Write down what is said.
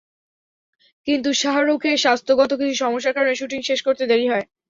কিন্তু শাহরুখের স্বাস্থ্যগত কিছু সমস্যার কারণে শুটিং শেষ করতে দেরি হয়।